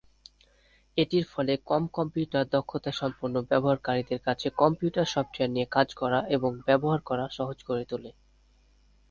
এটির ফলে কম কম্পিউটার দক্ষতা সম্পন্ন ব্যবহারকারীদের কাছে কম্পিউটার সফ্টওয়্যার নিয়ে কাজ করা এবং ব্যবহার করা সহজ করে তোলে।